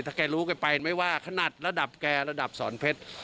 ถ้าแกรู้แกไปไม่ว่าขนาดระดับแกระดับสอนเพชร